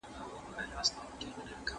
¬ د خپلي کوټې واوري پر بل اچوي.